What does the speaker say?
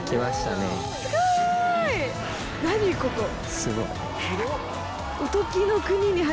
すごい。